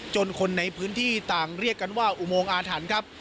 คนในพื้นที่ต่างเรียกกันว่าอุโมงอาถรรพ์ครับ